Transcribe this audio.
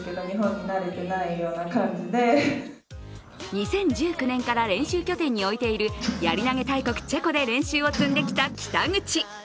２０１９年から練習拠点に置いているやり投げ大国・チェコで練習を積んできた北口。